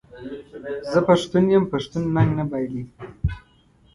زه پښتون یم پښتون ننګ نه بایلي.